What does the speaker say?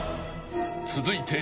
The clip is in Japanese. ［続いて］